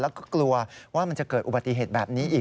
แล้วก็กลัวว่ามันจะเกิดอุบัติเหตุแบบนี้อีก